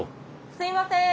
すいません。